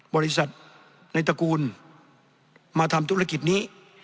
บริษัทในตระกูลมาทำธุรกิจนี้